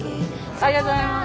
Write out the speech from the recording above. ありがとうございます。